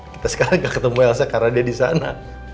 kita sekarang gak ketemu elsa karena dia disana